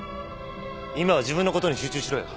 今は自分のことに集中しろよ。